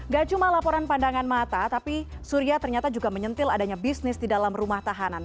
gak cuma laporan pandangan mata tapi surya ternyata juga menyentil adanya bisnis di dalam rumah tahanan